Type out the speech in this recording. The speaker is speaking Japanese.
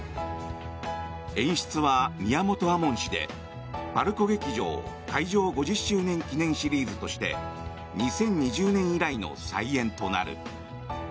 演出は宮本亞門氏でＰＡＲＣＯ劇場開場５０周年記念シリーズとして２０２０年以来の再演となる。